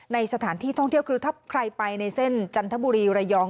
ในสถานที่ท่องเที่ยวคือถ้าใครไปในเส้นจันทบุรีระยอง